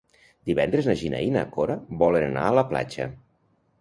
Divendres na Gina i na Cora volen anar a la platja.